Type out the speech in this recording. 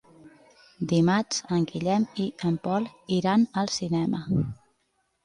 Dimarts en Guillem i en Pol iran al cinema.